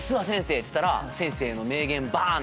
っつったら先生の名言バン！